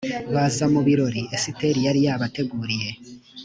baza mu birori esiteri yari yabateguriye